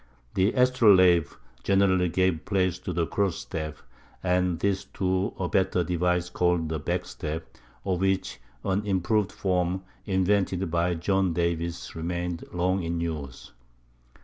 The astrolabe generally gave place to the cross staff; and this to a better device called the back staff, of which an improved form, invented by John Davis, remained long in use.